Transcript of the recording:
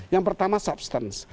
yang pertama substance